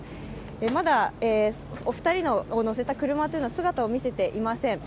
まだお二人を乗せた車というのは姿を見せていません。